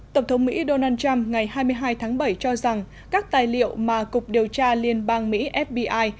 tổng thống mỹ donald trump ngày hai mươi hai tháng bảy cho rằng các tài liệu mà cục điều tra liên bang mỹ fbi